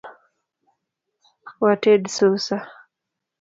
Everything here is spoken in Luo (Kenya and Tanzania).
Wated susa